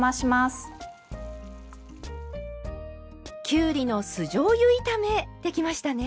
きゅうりの酢じょうゆ炒めできましたね。